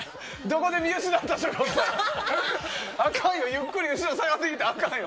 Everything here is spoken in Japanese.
後ろゆっくり下がってきたらあかんよ。